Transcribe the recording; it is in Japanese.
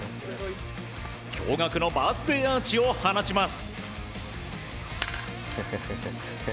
驚愕のバースデーアーチを放ちます。